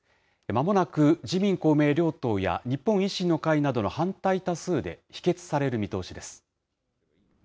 まもなく自民、公明両党や日本維新の会などの反対多数で否決される見通しです。